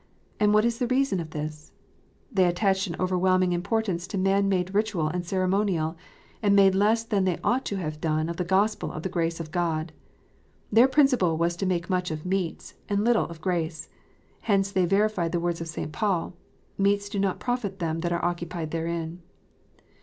And what is the reason of this 1 They attached an overweening importance to man made ritual and ceremonial, and made less than they ought to have done of the Gospel of the grace of God. Their principle was to make much of " meats," and little of " grace." Hence they verified the words of St. Paul, " Meats do not profit them that are occupied therein."